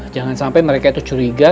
jangan sampai mereka itu curiga